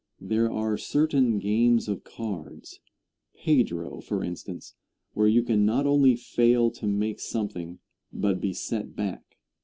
There are certain games of cards pedro, for instance, where you can not only fail to make something, but be set back.